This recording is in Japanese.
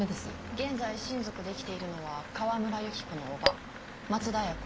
現在親族で生きているのは川村由紀子の叔母松田綾子。